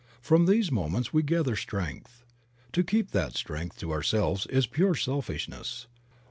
From these moments we gather strength. To keep that strength to ourselves is pure selfishness.